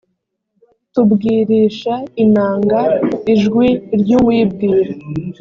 tubwirisha inanga ijwi ry uwibwira